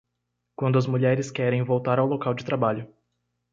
Quando as mulheres querem voltar ao local de trabalho